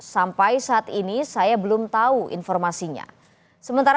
sampai saat ini saya belum tahu informasinya